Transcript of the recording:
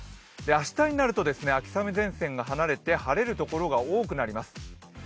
明日になると、秋雨前線が離れて晴れる所が多くなります。